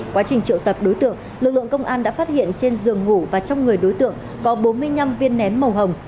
quá trình triệu tập đối tượng lực lượng công an đã phát hiện trên giường ngủ và trong người đối tượng có bốn mươi năm viên nén màu hồng